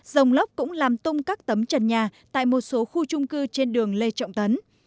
rồng lốc cũng làm tung các tấm trần nhà tại một số khu trung cư trên đường lê trọng tấn